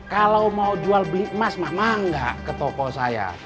kalau mau jual beli emas memang nggak ke toko saya